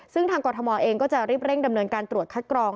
ซึ่งทางกรทมเองก็จะรีบเร่งดำเนินการตรวจคัดกรอง